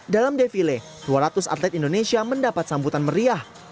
dalam defile dua ratus atlet indonesia mendapat sambutan meriah